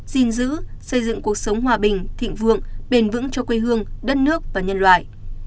gìn giữ xây dựng cuộc sống hòa bình thịnh vượng bền vững cho quê hương đất nước và nhân loại